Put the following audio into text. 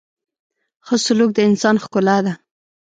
• ښه سلوک د انسان ښکلا ده.